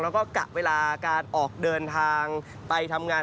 แล้วก็กะเวลาการออกเดินทางไปทำงาน